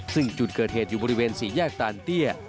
ซึ่งจุดเกิดเหตุอยู่บริเวณสี่แยกตานเตี้ย